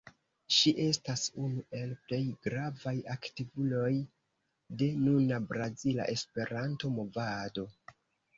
Ŝi estas unu el plej gravaj aktivuloj de nuna brazila Esperanto-Movado.